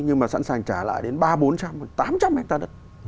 nhưng mà sẵn sàng trả lại đến ba bốn trăm tám trăm linh hectare đất